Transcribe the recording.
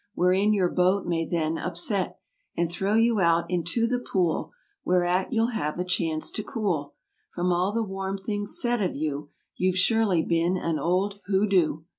Wherein your boat may then upset And throw you out into the pool Whereat you'll have a chance to cool From all the warm things said of you— You've surely been an old hoo doo!